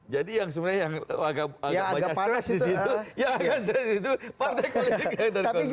jadi yang sebenarnya agak stress disitu ya agak stress itu partai koalisi yang terkongsi